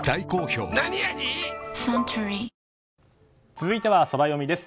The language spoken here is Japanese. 続いてはソラよみです。